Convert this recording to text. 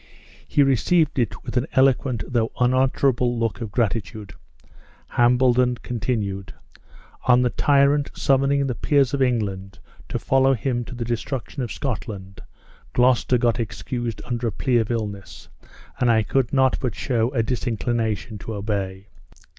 He received it with an eloquent though unutterable look of gratitude. Hambledon continued: "On the tyrant summoning the peers of England to follow him to the destruction of Scotland, Gloucester got excused under a plea of illness, and I could not but show a disinclination to obey.